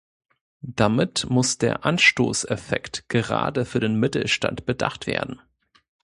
Damit muss der Anstoßeffekt gerade für den Mittelstand bedacht werden.